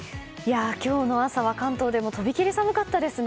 今日の朝は関東でも飛び切り寒かったですね。